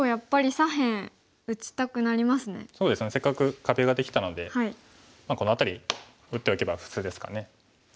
せっかく壁ができたのでこの辺り打っておけば普通ですかね。